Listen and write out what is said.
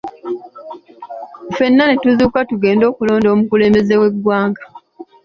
Fenna ne tuzuukuka tugende okulonda omukulembeze w’eggwanga.